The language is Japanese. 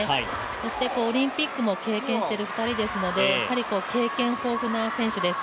そして、オリンピックも経験している２人ですので経験豊富な選手です。